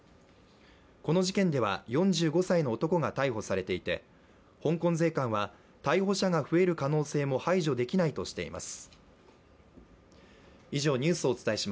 この事件では４５歳の男が逮捕されていて、香港税関は、逮捕者が増える可能性も排除できないとしています。